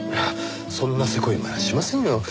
そんなせこい真似しませんよ。